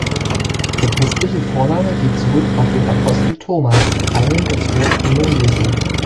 Der christliche Vorname geht zurück auf den Apostel Thomas, einen der zwölf Jünger Jesu.